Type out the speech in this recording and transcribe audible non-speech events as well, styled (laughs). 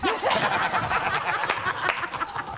ハハハ (laughs)